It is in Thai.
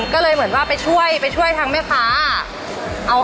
ก็เลยเหมือนว่าไปช่วยทั้งแม่ค้า